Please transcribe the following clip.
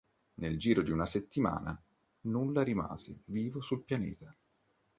Nel giro di una settimana nulla rimase vivo sul pianeta.